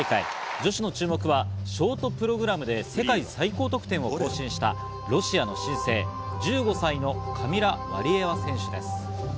女子の注目はショートプログラムで世界最高得点を更新したロシアの新星、１５歳のカミラ・ワリエワ選手です。